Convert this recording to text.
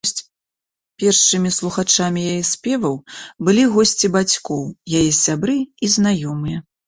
Першымі слухачамі яе спеваў былі госці бацькоў, яе сябры і знаёмыя.